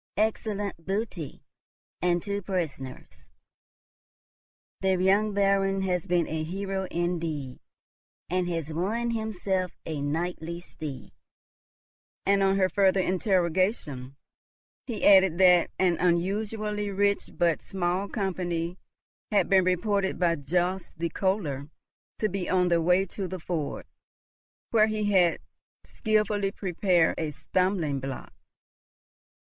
Excellent booty, and two prisoners! The young Baron has been a hero indeed, and has won himself a knightly steed." And, on her further interrogation, he added, that an unusually rich but small company had been reported by Jobst the Kohler to be on the way to the ford, where he had skilfully prepared a stumbling block.